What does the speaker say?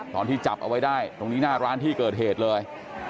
ตอนที่จับเอาไว้ได้ตรงนี้หน้าร้านที่เกิดเหตุเลย